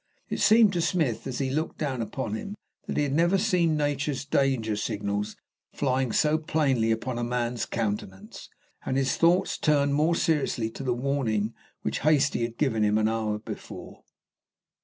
It seemed to Smith as he looked down upon him that he had never seen nature's danger signals flying so plainly upon a man's countenance, and his thoughts turned more seriously to the warning which Hastie had given him an hour before.